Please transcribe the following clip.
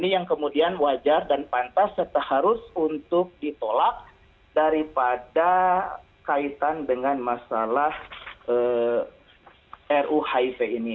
yang kemudian wajar dan pantas serta harus untuk ditolak daripada kaitan dengan masalah ruhip ini